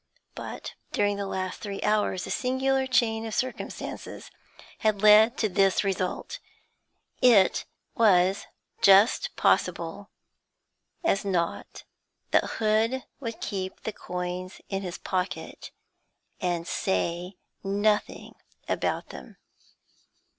But during the last three hours a singular chain of circumstances had led to this result: it was just as possible as not that Hood would keep the coins in his pocket and say nothing about them.